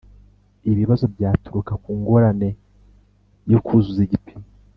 Ibibazo byaturuka ku ngorane yo kuzuza Igipimo.